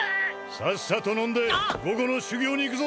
さっさと飲んで午後の修行に行くぞ！